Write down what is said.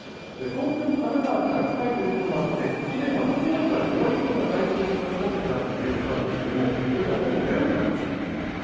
東京、神奈川から近いということもあって、以前は１割から２割ほどが外国人観光客だったということなんですが、それがほぼゼロになってしまいました。